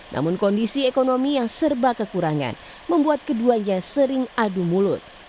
namun kondisi ekonomi yang serba kekurangan membuat keduanya sering adu mulut